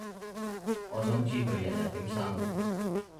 我想知佢日日點生活